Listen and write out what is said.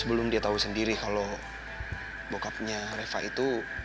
sebelum dia tahu sendiri kalau bokapnya reva itu